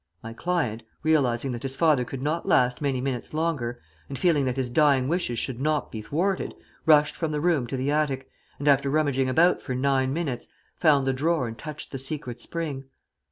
My client, realizing that his father could not last many minutes longer, and feeling that his dying wishes should not be thwarted, rushed from the room to the attic, and after rummaging about for nine minutes, found the drawer and touched the secret spring.